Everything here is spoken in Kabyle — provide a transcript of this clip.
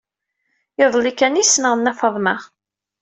Iḍelli kan ay ssneɣ Nna Faḍma.